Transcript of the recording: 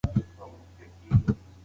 پوهان د یوې ټولنې رښتیني لارښوونکي دي.